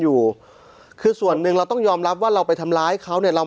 อยู่คือส่วนหนึ่งเราต้องยอมรับว่าเราไปทำร้ายเขาเนี่ยเรา